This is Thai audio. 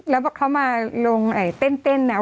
แล้วเขามาลงเต้นนะ